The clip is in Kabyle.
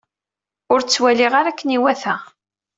Ur ttwaliɣ ara akken iwata.